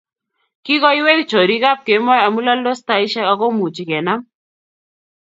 Kikoiwei chorik ab kemoi amu laldos taishek akumuch kenam